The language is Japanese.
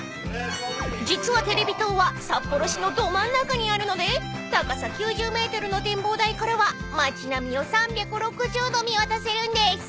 ［実はテレビ塔は札幌市のど真ん中にあるので高さ９０ｍの展望台からは街並みを３６０度見渡せるんです］